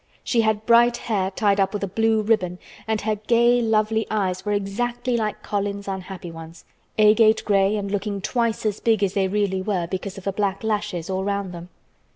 She had bright hair tied up with a blue ribbon and her gay, lovely eyes were exactly like Colin's unhappy ones, agate gray and looking twice as big as they really were because of the black lashes all round them.